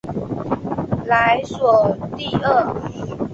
莱索蒂厄。